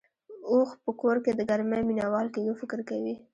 اوښ په کور کې د ګرمۍ مينه وال کېدو فکر کوي.